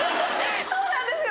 そうなんですよ